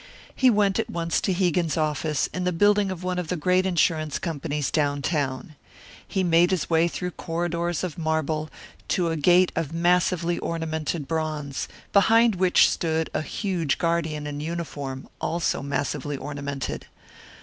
He went at once to Hegan's office, in the building of one of the great insurance companies downtown. He made his way through corridors of marble to a gate of massively ornamented bronze, behind which stood a huge guardian in uniform, also massively ornamented.